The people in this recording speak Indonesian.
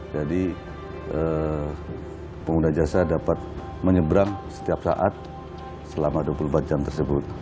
jadi pengguna jasa dapat menyeberang setiap saat selama dua puluh empat jam tersebut